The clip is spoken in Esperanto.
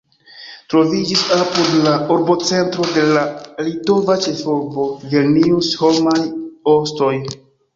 Troviĝis apud la urbocentro de la litova ĉefurbo Vilnius homaj ostoj.